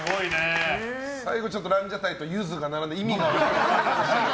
最後ちょっとランジャタイとゆずが並んで意味が分からない。